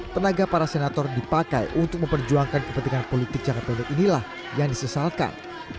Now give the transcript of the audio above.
tenaga para senator dipakai untuk memperjuangkan kepentingan politik jangka pendek inilah yang disesalkan